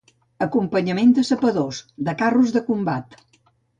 Acompanyament de sapadors, de carros de combat.